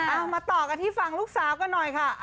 เอามาต่อกันที่ฟังลูกสาวกันหน่อยค่ะ